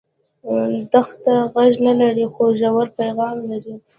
دښته غږ نه لري خو ژور پیغام لري.